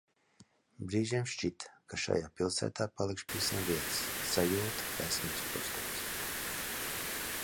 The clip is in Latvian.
Brīžiem šķita, ka šajā pilsētā palikšu pavisam viens. Sajūta, ka esmu iesprostots.